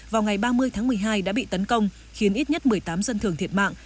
vào ngày ba mươi tháng một mươi hai đã bị tấn công khiến ít nhất một mươi tám dân thường thiệt mạng